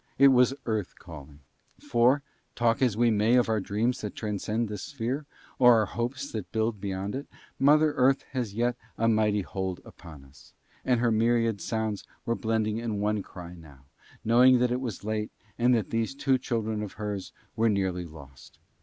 It was Earth calling. For, talk as we may of our dreams that transcend this sphere, or our hopes that build beyond it, Mother Earth has yet a mighty hold upon us; and her myriad sounds were blending in one cry now, knowing that it was late and that these two children of hers were nearly lost.